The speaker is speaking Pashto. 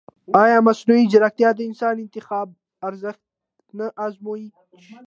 ایا مصنوعي ځیرکتیا د انساني انتخاب ارزښت نه ازموي؟